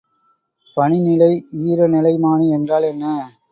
பனிநிலை ஈரநிலைமானி என்றால் என்ன?